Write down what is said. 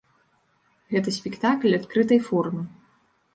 Гэта спектакль адкрытай формы.